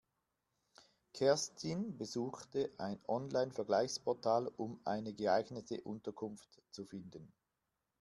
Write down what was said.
Kerstin besuchte ein Online-Vergleichsportal, um eine geeignete Unterkunft zu finden.